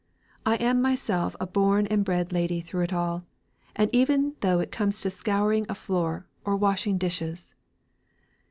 I am myself a born and bred lady through it all, even though it comes to scouring a floor, or washing dishes.